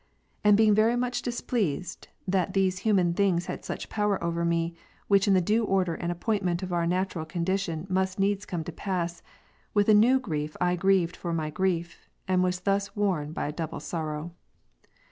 And being very —''' much displeased, that these human things had such power over me, Avhich in the due order and appointment of our natural condition, must needs come to pass, with a new grief I grieved for my grief, and was thus worn by a double sorrow.